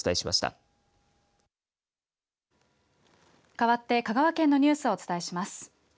かわって香川県のニュースをお伝えします。